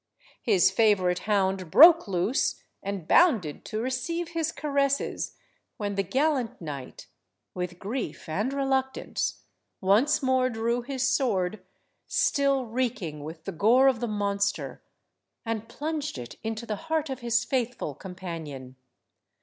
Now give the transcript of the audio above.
His favourite hound broke loose and bounded to receive his caresses, when the gallant knight, with grief and reluctance, once more drew his sword, still reeking with the gore of the monster, and plunged it into the heart of his faithful companion.